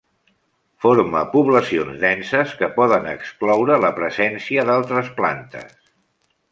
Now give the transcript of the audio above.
Forma poblacions denses que poden excloure la presència d'altres plantes.